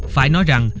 phải nói rằng